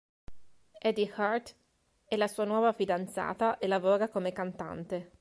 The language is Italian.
Edie Hart è la sua fidanzata e lavora come cantante.